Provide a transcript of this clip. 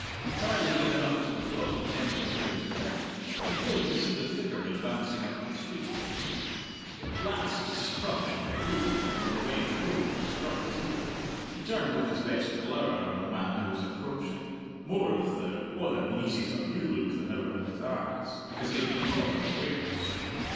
Entirely given up to the thought of Templandmuir's account, he failed to see the figure advancing up the street. At last the scrunch of a boot on the wet road struck his ear. He turned with his best glower on the man who was approaching; more of the "Wha the bleezes are you?" look than ever in his eyes because he had been caught unawares.